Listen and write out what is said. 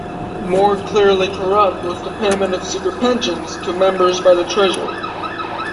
More clearly corrupt was the payment of secret pensions to Members by the Treasury.